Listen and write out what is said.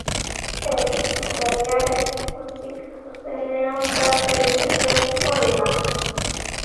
Eguneko berriaren lekutik zuzenean bat egiten saiatuko dira.